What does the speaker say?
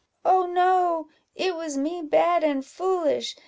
"Oh, no! it was me bad and foolish.